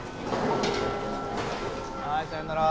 はいさようなら。